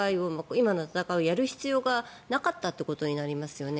今の戦いをやる必要がなかったということになりますよね。